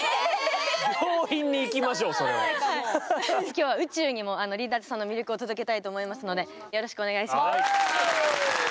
今日は宇宙にもリーダーズさんの魅力を届けたいと思いますのでよろしくお願いします。